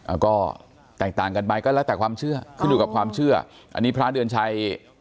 อ่าก็แตกต่างกันไปก็แล้วแต่ความเชื่อขึ้นอยู่กับความเชื่ออันนี้พระเดือนชัย